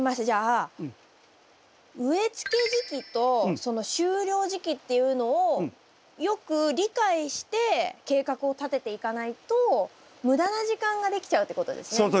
じゃあ植えつけ時期とその終了時期っていうのをよく理解して計画を立てていかないと無駄な時間ができちゃうってことですね。